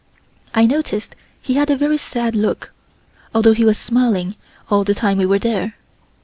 I noticed he had a very sad look, although he was smiling all the time we were there.